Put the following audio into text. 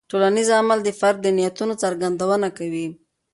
ټولنیز عمل د فرد د نیتونو څرګندونه کوي.